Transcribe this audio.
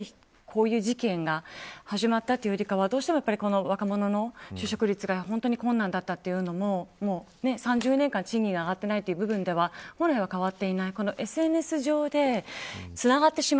いわゆる生活の困窮によってこういう事件が始まったというよりかはどうしても若者の就職率が困難だったというのも３０年間賃金が上がっていないという部分では本来は変わっていないＳＮＳ上でつながってしまう。